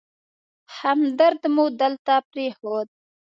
همدرد مو دلته پرېښود.